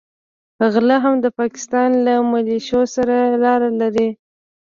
غله هم د پاکستان له مليشو سره لاره لري.